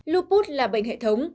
lupus là bệnh hệ thống